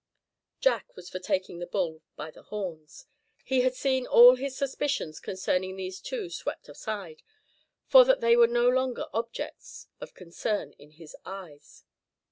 Jack was for taking the bull by the horns. He had seen all his suspicions concerning these two swept aside, so that they were no longer objects of concern in his eyes.